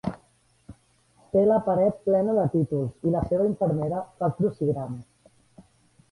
Té la paret plena de títols i la seva infermera fa crucigrames.